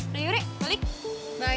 udah yuri balik bye